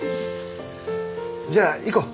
じゃあ行こう。